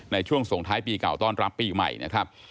ในช่วงส่งท้ายปีเก่าต้อนรับปีใหม่นะครับ